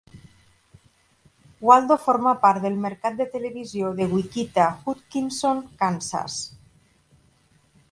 Waldo forma part del mercat de televisió de Wichita-Hutchinson, Kansas.